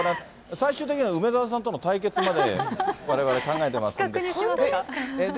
最終的には梅沢さんとの対決まで、われわれ考えてますので。